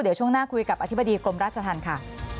เดี๋ยวช่วงหน้าคุยกับอธิบดีกรมราชธรรมค่ะ